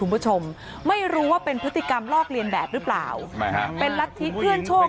หญิงชายคู่หนึ่งเจอด่านตรวจ